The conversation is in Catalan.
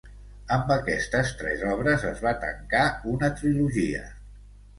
Amb aquestes tres obres, es va tancar una trilogia.